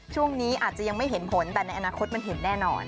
ช่วงนี้อาจจะยังไม่เห็นผลแต่ในอนาคตมันเห็นแน่นอน